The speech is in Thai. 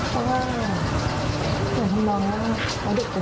ทำไมเขาถึงกล่าวหาละนี่ครับ